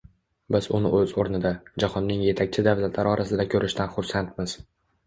Biz uni o‘z o‘rnida — jahonning yetakchi davlatlari orasida ko‘rishdan xursandmiz